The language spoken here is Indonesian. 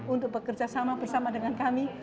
untuk bekerja sama bersama dengan kami